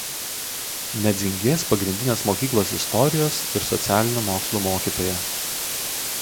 Nedzingės pagrindinės mokyklos istorijos ir socialinių mokslų mokytoja.